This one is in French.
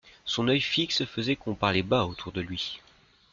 Son oeil fixe faisait qu'on parlait bas autour de lui.